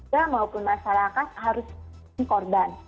dan masyarakat harus pilih korban